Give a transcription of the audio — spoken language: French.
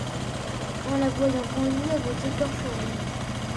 En la voyant pendue à vos écorcheries